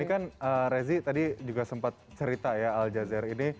ini kan rezi tadi juga sempat cerita ya al jazeera ini